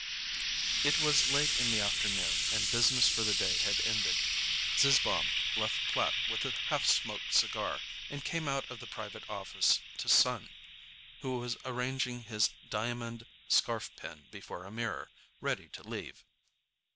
It was late in the afternoon and business for the day had ended, Zizzbaum left Platt with a half smoked cigar, and came out of the private office to Son, who was arranging his diamond scarfpin before a mirror, ready to leave.